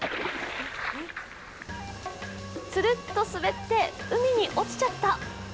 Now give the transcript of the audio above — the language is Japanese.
つるっと滑って海に落ちちゃった。